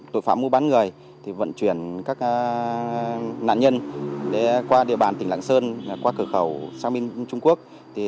tội phạm mua bán người vận chuyển các nạn nhân qua địa bàn tỉnh lạng sơn qua cửa khẩu sang bên trung quốc